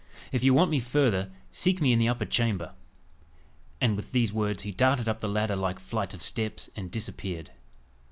"If you want me further, seek me in the upper chamber." And with these words he darted up the ladder like flight of steps and disappeared.